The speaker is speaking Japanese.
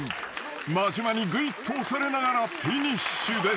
［間島にぐいっと押されながらフィニッシュです］